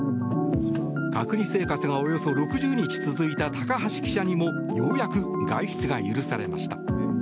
隔離生活がおよそ６０日続いた高橋記者にもようやく外出が許されました。